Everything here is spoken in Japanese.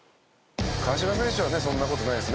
川島選手はねそんな事ないですね？